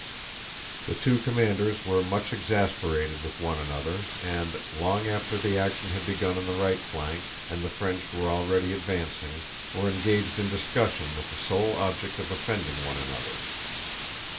The two commanders were much exasperated with one another and, long after the action had begun on the right flank and the French were already advancing, were engaged in discussion with the sole object of offending one another.